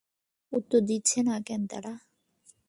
উত্তর দিচ্ছে না কেন তারা?